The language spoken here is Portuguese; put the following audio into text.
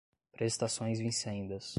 prestações vincendas